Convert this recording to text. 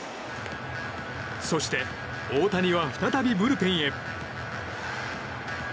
そして大谷は再びブルペンへ。